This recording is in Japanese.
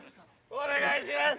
お願いします。